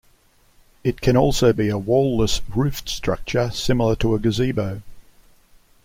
It can also be a wall-less, roofed structure, similar to a gazebo.